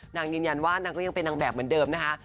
นางยืนยันว่านางก็ยังเป็นนางแบบเหมือนเดิมนะคะ